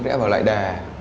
rẽ vào lại đè